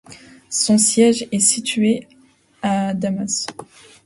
Son siège est situé à Damas.